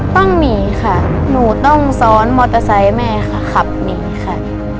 ต้องหนีค่ะหนูต้องซ้อนมอเตอร์ไซค์แม่ค่ะขับหนีค่ะ